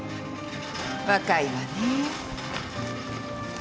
若いわね。